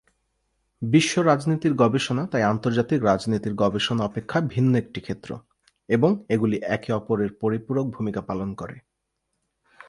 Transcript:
বিশ্ব রাজনীতির গবেষণা তাই আন্তর্জাতিক রাজনীতির গবেষণা অপেক্ষা ভিন্ন একটি ক্ষেত্র, এবং এগুলি একে অপরের পরিপূরক ভূমিকা পালন করে।